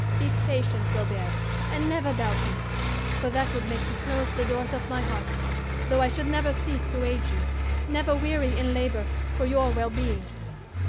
Be patient, Robert, and never doubt me; for that would make me close the doors of my heart, though I should never cease to aid you, never weary in labor for your well being.